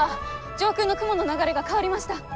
上空の雲の流れが変わりました。